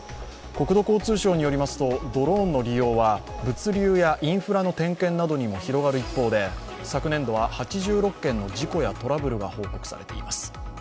国土交通省によりますとドローンの利用は物流やインフラの点検などにも広がる一方で、昨年度は８６件の事故やトラブルが報告されています。